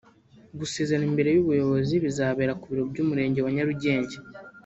gusezerana imbere y’ubuyobozi bizabera ku biro by’Umurenge wa Nyarugenge